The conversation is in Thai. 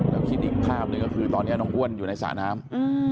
แล้วคิดอีกภาพหนึ่งก็คือตอนนี้น้องอ้วนอยู่ในสระน้ำ